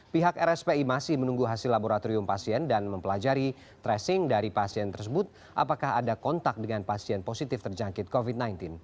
pihak rspi masih menunggu hasil laboratorium pasien dan mempelajari tracing dari pasien tersebut apakah ada kontak dengan pasien positif terjangkit covid sembilan belas